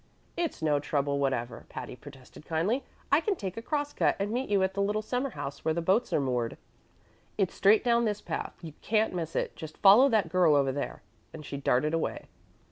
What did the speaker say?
"It's no trouble whatever," Patty protested kindly. "I can take a cross cut, and meet you at the little summer house where the boats are moored. It's straight down this path; you can't miss it. Just follow that girl over there"; and she darted away.